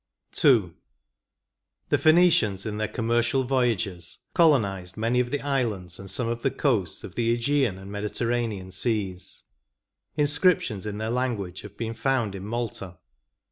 B 2 II. The Phenicians, in their commercial voyages, colonised many of the islands, and some of the coasts, of the uEgean and Mediterranean seas. Inscriptions in their language have heen found in Malta.